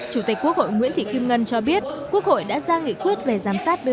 chủ tịch quốc hội nguyễn thị kim ngân cho biết quốc hội đã ra nghị quyết về giám sát vấn đề này